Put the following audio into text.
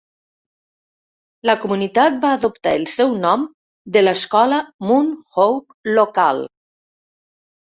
La comunitat va adoptar el seu nom de l'escola Mount Hope local.